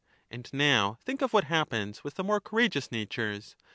And now think of what happens with the more cour ageous natures.